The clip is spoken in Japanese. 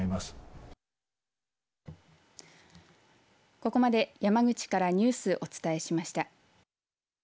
ここまで山口からニュースお伝えしました。